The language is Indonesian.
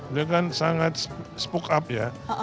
dia kan sangat spoke up ya